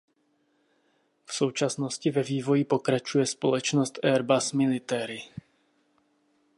V současnosti ve vývoji pokračuje společnost Airbus Military.